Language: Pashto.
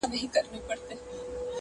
لاس مو تل د خپل ګرېوان په وینو سور دی٫